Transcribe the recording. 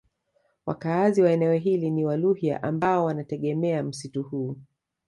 Wakaazi wa eneo hili ni Waluhya ambao wanategemea msitu huu